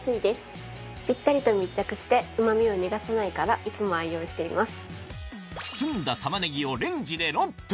ぴったりと密着してうま味を逃がさないからいつも愛用しています。